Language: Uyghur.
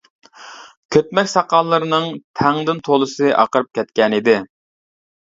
كۆتمەك ساقاللىرىنىڭ تەڭدىن تولىسى ئاقىرىپ كەتكەن ئىدى.